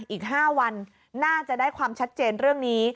อีก๕วันน่าจะได้ความชัดเจนเรื่องนี้